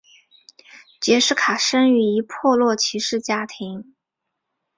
杰式卡生于一破落骑士家庭。